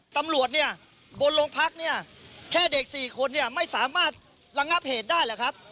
ตำรวจบนโรงพักแค่เด็กสี่คนไม่สามารถระงับเหตุได้